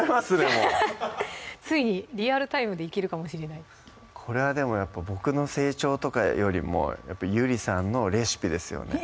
もうついにリアルタイムでいけるかもしれないこれはでもやっぱボクの成長とかよりもゆりさんのレシピですよね